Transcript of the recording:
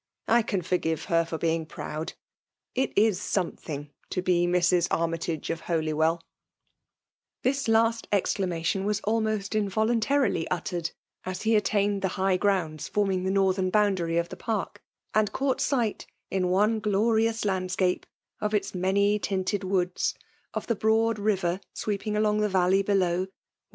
I can forgive her lor being proud: it it some thing to be Mrs. Aimytage of HoIywelL" This last exckmatien was almost invohinr tari^ uttered as he attained the high grouadf 24 FEMALE DOMINATION. forming the northern boundary of the park, and caught sight> in one glorious landscape^ of its many tinted woods ^f the broa^l river sweeping along the valley below, with